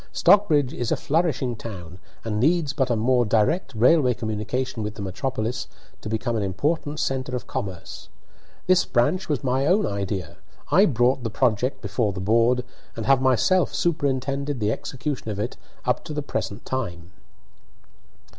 Stockbridge is a flourishing town, and needs but a more direct railway communication with the metropolis to become an important centre of commerce. This branch was my own idea. I brought the project before the board, and have myself superintended the execution of it up to the present time."